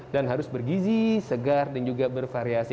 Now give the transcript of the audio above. dan harus bergizi segar dan juga bervariasi